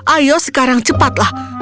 ayo sekarang cepatlah